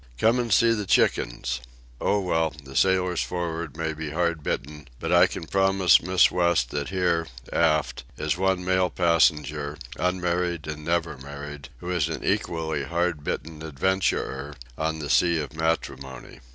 —Come and see the chickens! Oh, well, the sailors for'ard may be hard bitten, but I can promise Miss West that here, aft, is one male passenger, unmarried and never married, who is an equally hard bitten adventurer on the sea of matrimony.